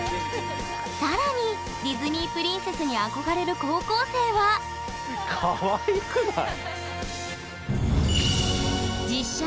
更にディズニープリンセスに憧れる高校生はかわいくない？